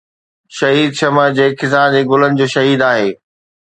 شهيد شمع جي خزان جي گلن جو شهيد آهي